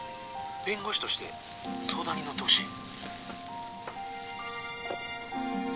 弁護士として相談に乗ってほしい。